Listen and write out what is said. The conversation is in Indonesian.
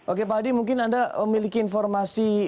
oke pak hadi mungkin anda memiliki informasi